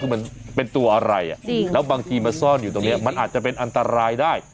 คือมันเป็นตัวอะไรแล้วบางทีมาซ่อนอยู่ตรงนี้มันอาจจะเป็นอันตรายได้